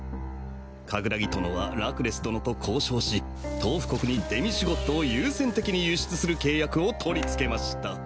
カグラギ殿はラクレス殿と交渉しトウフ国にデミシュゴッドを優先的に輸出する契約を取りつけました。